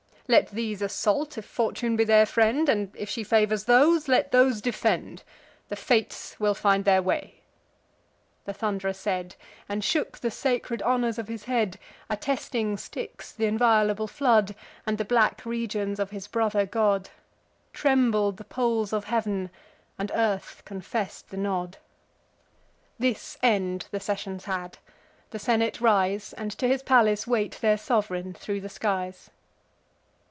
Let these assault, if Fortune be their friend; And, if she favours those, let those defend: The Fates will find their way." The Thund'rer said, And shook the sacred honours of his head, Attesting Styx, th' inviolable flood, And the black regions of his brother god. Trembled the poles of heav'n, and earth confess'd the nod. This end the sessions had: the senate rise, And to his palace wait their sov'reign thro' the skies.